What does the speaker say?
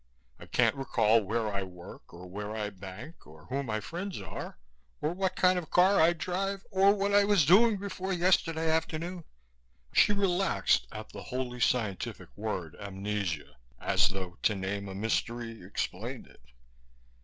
I can't recall where I work or where I bank, or who my friends are or what kind of car I drive or what I was doing before yesterday afternoon." She relaxed at the holy scientific word 'amnesia,' as though to name a mystery explained it.